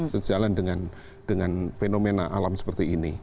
sejalan dengan fenomena alam seperti ini